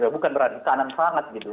bukan berada di kanan sangat gitu